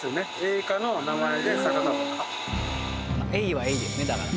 エイはエイですねだから。